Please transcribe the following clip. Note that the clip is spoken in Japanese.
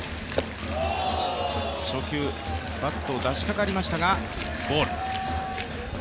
初球、バット出しかかりましたがボール。